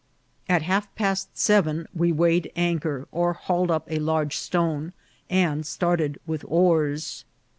At half past seven we weighed anchor, or hauled up a large stone, and started with oars.